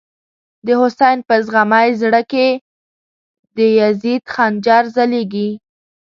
د «حسین» په زغمی زړه کی، د یزید خنجر ځلیږی